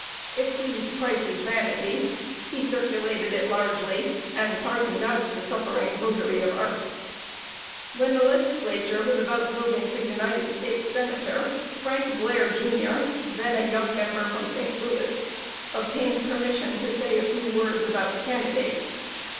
It pleased Price's vanity; he circulated it largely, and pardoned out the suffering votary of art. [Sidenote: SEVERE LOSS TO THE UNIONISTS.] When the Legislature was about voting for United States Senator, Frank Blair, Jr., then a young member from St. Louis, obtained permission to say a few words about the candidates.